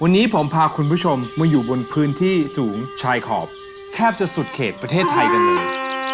วันนี้ผมพาคุณผู้ชมมาอยู่บนพื้นที่สูงชายขอบแทบจะสุดเขตประเทศไทยกันเลย